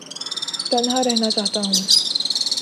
تنہا رہنا چاہتا ہوں